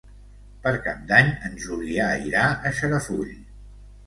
Per Cap d'Any en Julià irà a Xarafull.